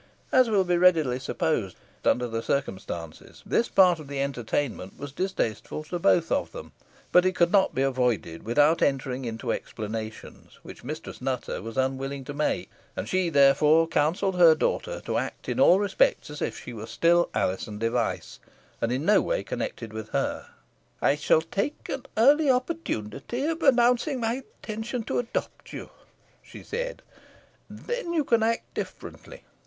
As will be readily supposed under the circumstances, this part of the entertainment was distasteful to both of them; but it could not be avoided without entering into explanations, which Mistress Nutter was unwilling to make, and she, therefore, counselled her daughter to act in all respects as if she were still Alizon Device, and in no way connected with her. "I shall take an early opportunity of announcing my intention to adopt you," she said, "and then you can act differently.